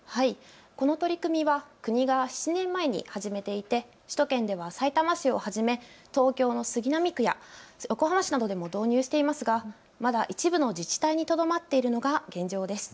この取り組みは国が７年前に始めていて首都圏ではさいたま市をはじめ東京の杉並区や横浜市などでも導入していますが、まだ一部の自治体にとどまっているのが現状です。